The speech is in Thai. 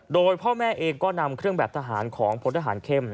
โดยพ่อแม่เองก็นำเครื่องแบบทหารของพลทหารเข้ม